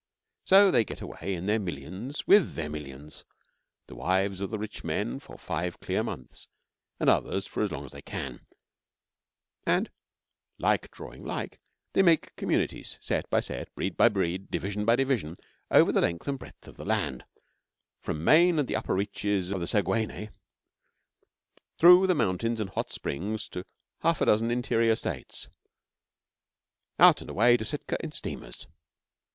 So they get away in their millions with their millions the wives of the rich men for five clear months, the others for as long as they can; and, like drawing like, they make communities set by set, breed by breed, division by division, over the length and breadth of the land from Maine and the upper reaches of the Saguenay, through the mountains and hot springs of half a dozen interior States, out and away to Sitka in steamers.